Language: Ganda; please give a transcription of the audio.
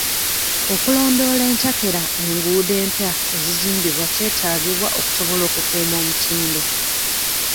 Okulondoola entakera enguudo empya ezizimbiddwa kwetaagibwa okusobola okukuuma omutindo.